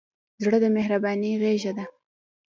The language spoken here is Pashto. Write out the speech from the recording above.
زړه د مهربانۍ غېږه ده.